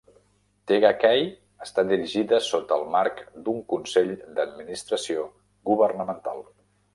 Tega Cay està dirigida sota el marc d'un consell d'administració governamental.